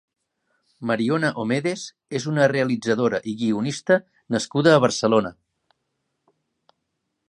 Mariona Omedes és una realtizadora i guionista nascuda a Barcelona.